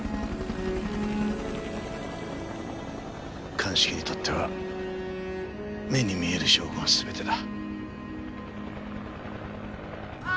鑑識にとっては目に見える証拠が全てだ。